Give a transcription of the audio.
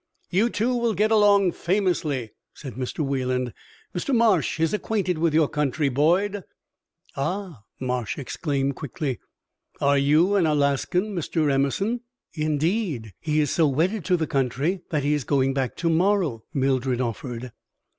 "You two will get along famously," said Mr. Wayland. "Mr. Marsh is acquainted with your country, Boyd." "Ah!" Marsh exclaimed, quickly. "Are you an Alaskan, Mr. Emerson?" "Indeed, he is so wedded to the country that he is going back to morrow," Mildred offered.